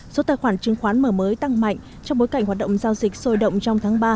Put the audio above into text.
số tài khoản chứng khoán mở mới tăng mạnh trong bối cảnh hoạt động giao dịch sôi động trong tháng ba